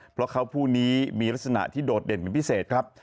เพราะเขาผู้นี้มีลักษณะที่โดดเด่นเป็นพิเศษครับ